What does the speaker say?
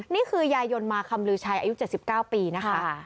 นี่คือยายนมาคำลือใช้๖๙ปีนะคะ